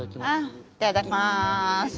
いただきます。